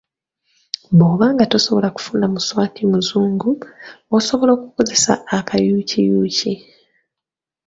Bw'oba nga tosobodde kufuna muswaki muzungu, osobola okukozesa akayukiyuuki.